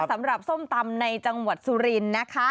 สำหรับส้มตำในจังหวัดสุรินทร์นะคะ